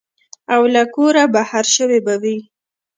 او له کوره بهر شوي به وي.